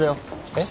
えっ？